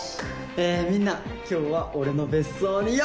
えーみんな今日は俺の別荘にようこそ！